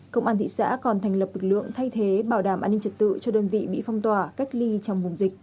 công an thị xã còn thành lập lực lượng thay thế bảo đảm an ninh trật tự cho đơn vị bị phong tỏa cách ly trong vùng dịch